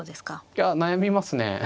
いや悩みますね。